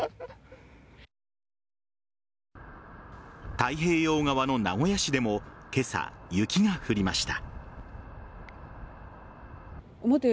太平洋側の名古屋市でも今朝、雪が降りました。